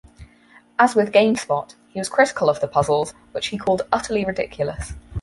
As with GameSpot, he was critical of the puzzles, which he called utterly ridiculous.